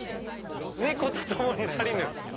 「猫と共に去りぬ」。